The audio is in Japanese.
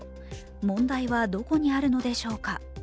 問題はどこにあるのでしょうか。